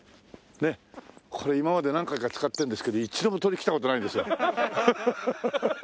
これ今まで何回か使ってるんですけど一度も鳥来た事ないんですよ。